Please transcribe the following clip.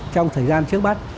trong thời gian trước bắt